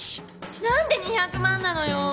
何で２００万なのよ！